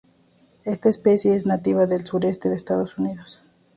Esta especie es nativa del sureste de Estados Unidos.